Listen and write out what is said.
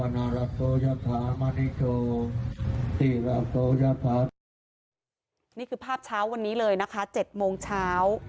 นี่คือภาพเช้าวันนี้เลยนะคะ๗โมงเช้า